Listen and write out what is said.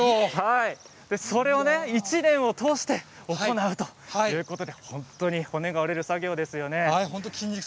それを１年を通して行うということで本当に骨が折れる作業ですよね。